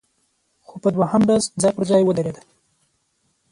خو په دوهم ډز ځای پر ځای ودرېده،